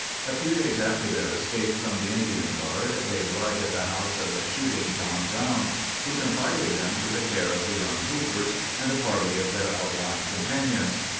A few days after their escape from the Indian guard they arrived at the house of "Shooting John Brown," who confided them to the care of the young Hoopers and a party of their outlying companions.